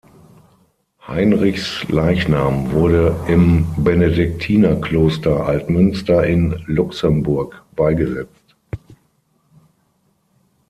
Heinrichs Leichnam wurde im Benediktinerkloster Altmünster in Luxemburg beigesetzt.